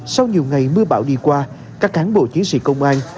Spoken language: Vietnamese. sau nhiều ngày mưa bão đi qua các cán bộ chiến sĩ công an